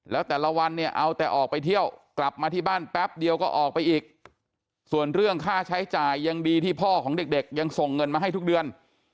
แล้วแต่ละวันเนี่ยเอาแต่ออกไปเที่ยวกลับมาที่บ้านแป๊บเดียวก็ออกไปอีกส่วนเรื่องค่าใช้จ่ายยังดีที่พ่อของเด็กยังส่งเงินมาให้ทุกเดือน